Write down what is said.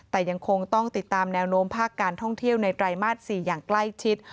แต่ยังคงต้องติดตามแนวโน้มภาคการท่องเที่ยวในไตรมาส๔อย่างใกล้ชิด